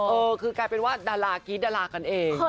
เออคือกลายเป็นว่าดารากรี๊ดดารากันเอง